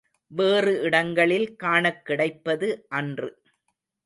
வேறு இடங்களில் காணக் கிடைப்பது அன்று.